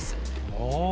ああ。